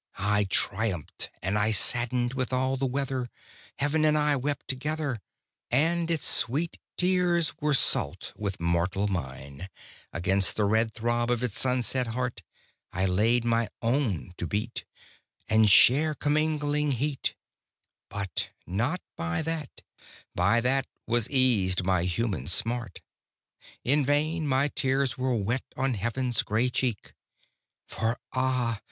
I triumphed and I saddened with all weather, Heaven and I wept together, And its sweet tears were salt with mortal mine; Against the red throb of its sunset heart I laid my own to beat, And share commingling heat; But not by that, by that, was eased my human smart. In vain my tears were wet on Heaven's grey cheek. For ah!